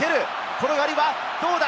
転がりはどうだ？